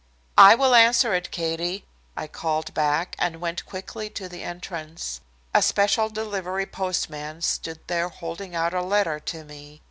"I will answer it, Katie," I called back, and went quickly to the entrance. A special delivery postman stood there holding out a letter to me.